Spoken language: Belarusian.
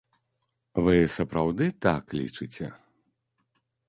Вы сапраўды так лічыце?